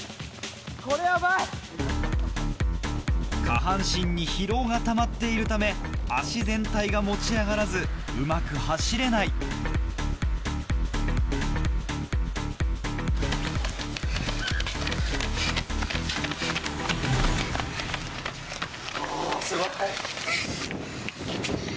下半身に疲労がたまっているため足全体が持ち上がらずうまく走れないおすごい！